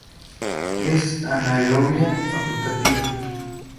Es anaerobia facultativa.